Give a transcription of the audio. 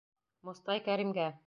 Мостай Кәримгә